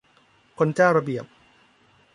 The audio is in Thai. คนเจ้าระเบียบ